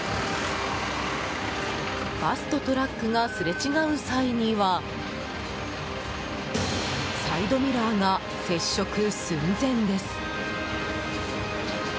バスとトラックがすれ違う際にはサイドミラーが接触寸前です。